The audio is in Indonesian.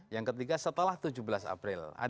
yang ketiga setelah tujuh belas april